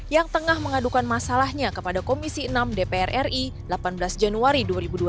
yang tengah mengadukan masalahnya kepada komisi enam dpr ri delapan belas januari dua ribu dua puluh